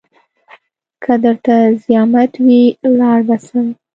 که درته زيامت وي لاړ به سم.